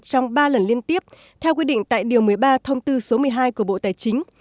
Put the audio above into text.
trong ba lần liên tiếp theo quy định tại điều một mươi ba thông tư số một mươi hai của bộ tài chính